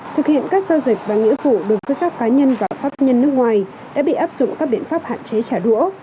thực hiện các giao dịch và nghĩa vụ đối với các cá nhân và pháp nhân nước ngoài đã bị áp dụng các biện pháp hạn chế trả đũa